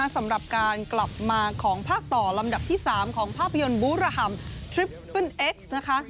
สำหรับการกลับมาของภาคต่อลำดับที่๓ของภาพยนตร์บูรฮัมทริปเปิ้ลเอ็กซ์นะคะ